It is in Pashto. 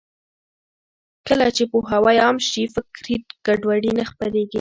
کله چې پوهاوی عام شي، فکري ګډوډي نه خپرېږي.